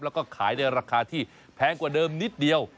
แล้วก็ขายในราคาที่แพงกว่าเดิมนิดเดียว